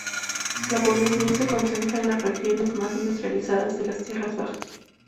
La población se concentra en las regiones más industrializadas de las tierras bajas.